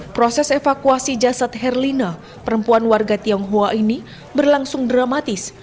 proses evakuasi jasad herlina perempuan warga tionghoa ini berlangsung dramatis